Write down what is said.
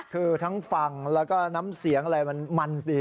คือทั้งฟังแล้วก็น้ำเสียงอะไรมันมันดี